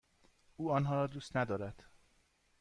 او آنها را دوست ندارد.